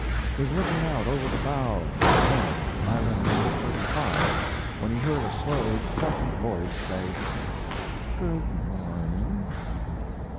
] was looking out over the bow at the head of Island No. 35 when he heard a slow, pleasant voice say: "Good morning."